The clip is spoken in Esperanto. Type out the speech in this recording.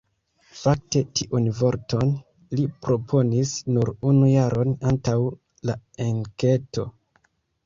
Fakte, tiun vorton li proponis nur unu jaron antaŭ la enketo.